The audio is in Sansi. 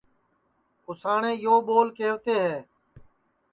اُساٹؔے یو ٻول کَیوتے ہے